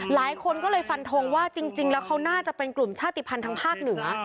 หลายคนก็เลยฟันทงว่าจริงแล้วเขาน่าจะเป็นกลุ่มชาติภัณฑ์ทางภาคเหนือ